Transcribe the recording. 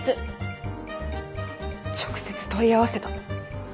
直接問い合わせたの？